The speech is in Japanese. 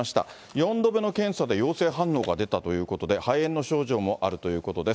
４度目の検査で陽性反応が出たということで、肺炎の症状もあるということです。